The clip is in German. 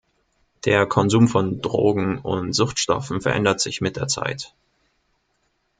Der Konsum von Drogen und Suchtstoffen verändert sich mit der Zeit.